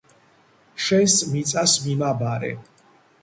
შენს მიწას მიმაბარე